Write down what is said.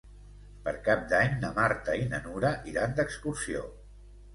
Per Cap d'Any na Marta i na Nura iran d'excursió.